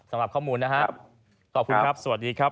สำหรับข้อมูลนะครับขอบคุณครับสวัสดีครับ